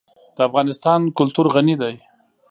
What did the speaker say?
د افغانستان کلتور غني دی.